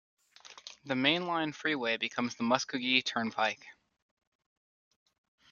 The mainline freeway becomes the Muskogee Turnpike.